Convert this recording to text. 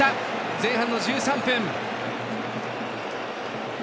前半の１３分。